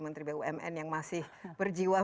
menteri bumn yang masih berjiwa